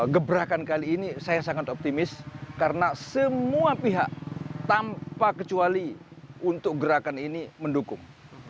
gebrakan kali ini saya sangat optimis karena semua pihak tanpa kecuali untuk gerakan ini mendukung